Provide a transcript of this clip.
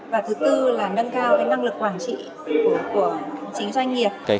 và thứ tư là nâng cao năng lực quản trị của chính doanh nghiệp